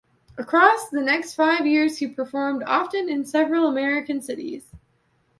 Across the next five years he performed often in several American cities.